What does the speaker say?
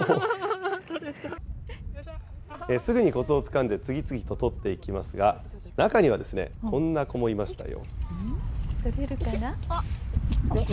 すぐにこつをつかんで次々と採っていきますが、中にはこんな子もいましたよ。